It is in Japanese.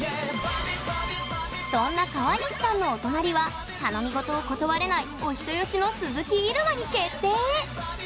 そんな川西さんのお隣は頼みごとを断れないお人よしの鈴木入間に決定！